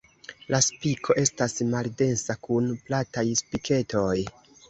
La spiko estas maldensa kun plataj spiketoj.